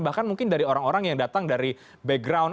bahkan mungkin dari orang orang yang datang dari background